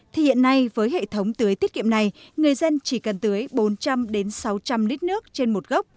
thì hiện nay với hệ thống tưới tiết kiệm này người dân chỉ cần tưới bốn trăm linh sáu trăm linh lít nước trên một gốc